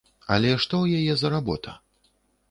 Але што ў яе за работа?